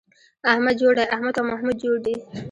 احمد جوړ دی → احمد او محمود جوړ دي